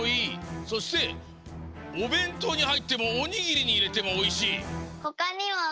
そしておべんとうにはいってもおにぎりにいれてもおいしい。